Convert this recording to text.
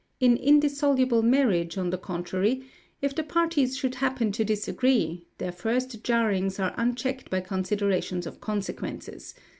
In indissoluble marriage, on the contrary, if the parties should happen to disagree, their first jarrings are unchecked by considerations of consequences.